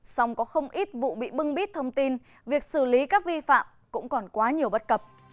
song có không ít vụ bị bưng bít thông tin việc xử lý các vi phạm cũng còn quá nhiều bất cập